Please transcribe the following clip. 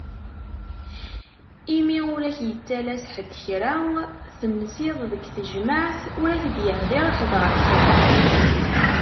Imi ur ak-yettalas ḥed kra! Tensiḍ deg tejmaɛt ur ak-d-yehḍir ḥed ɣef kra.